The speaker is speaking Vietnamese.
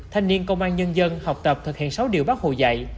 thanh niên công an nhân dân học tập thực hiện sáu điều bác hồ dạy